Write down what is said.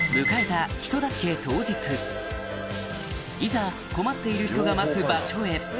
迎えた人助け当日いざ困っている人が待つ場所へ